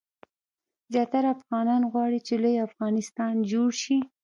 زیاتره افغانان غواړي چې لوی افغانستان جوړ شي.